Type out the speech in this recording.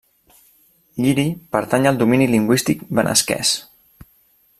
Lliri pertany al domini lingüístic benasquès.